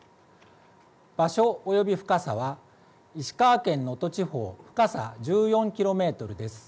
場所、及び深さは石川県能登地方深さ１４キロメートルです。